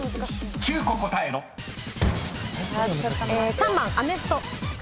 ３番アメフト。